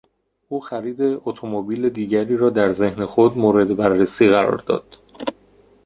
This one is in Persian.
او خرید اتومبیل دیگری را در ذهن خود مورد بررسی قرار داد.